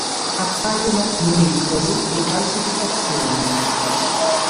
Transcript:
Appaiono necrosi e calcificazione.